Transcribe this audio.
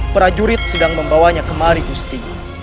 prajurit sedang membawanya kemari gusti